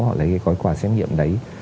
họ lấy cái gói quà xét nghiệm đấy